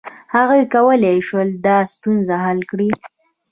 هغوی کولای شول دا ستونزه حل کړي.